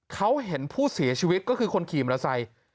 เขาเห็นผู้เสียชีวิตก็คือคนขี่มอเตอร์ไซค์